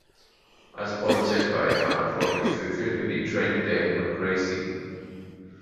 Als Produzent war er verantwortlich für Filme wie "Training Day" und "Gracie".